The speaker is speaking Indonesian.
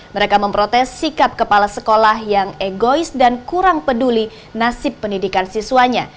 mereka memprotes sikap kepala sekolah yang egois dan kurang peduli nasib pendidikan siswanya